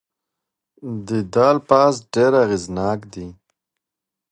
د ده الفاظ ډېر اغیزناک دي.